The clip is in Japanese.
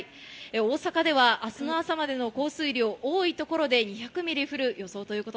大阪ではあすの朝までの降水量、多いところで２００ミリ降る予想です。